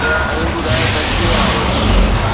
۽ ٻڌايو ته ڪيئن آهيو؟